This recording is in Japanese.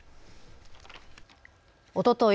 おととい